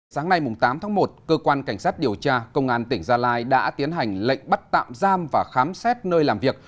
sáng nay tám tháng một cơ quan cảnh sát điều tra công an tỉnh gia lai đã tiến hành lệnh bắt tạm giam và khám xét nơi làm việc